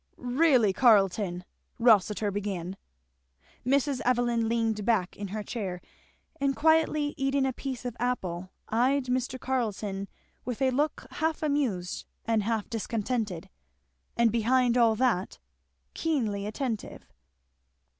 "Really, Carleton!" Rossitur began. Mrs. Evelyn leaned back in her chair and quietly eating a piece of apple eyed Mr. Carleton with a look half amused and half discontented, and behind all that, keenly attentive.